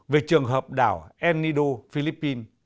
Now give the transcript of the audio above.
về trường hợp đảo enido philippines